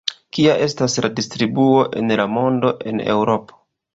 Kia estas la distribuo en la mondo, en Eŭropo?